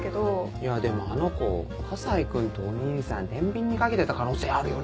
いやでもあの子河西君とお義兄さん天秤にかけてた可能性あるよね。